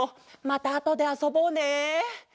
またあとであそぼうね。